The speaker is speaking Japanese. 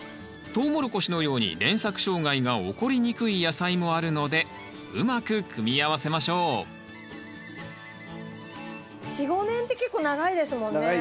トウモロコシのように連作障害が起こりにくい野菜もあるのでうまく組み合わせましょう４５年って結構長いですもんね。